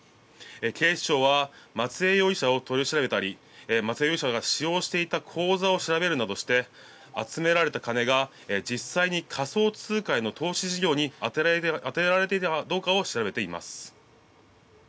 警視庁は松江容疑者を取り調べたり松江容疑者が使用していた口座を調べるなどして集められた金が実際に仮想通貨への投資事業に充てられていたかどうかを調べています。